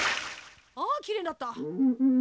あきれいになった。